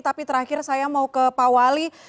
tapi terakhir saya mau ke pak wali